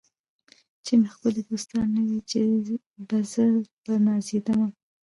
چي مي ښکلي دوستان نه وي چي به زه په نازېدمه